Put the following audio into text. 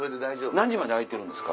何時まで開いてるんですか？